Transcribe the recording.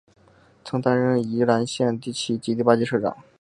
曾担任宜兰县第七及八届县长。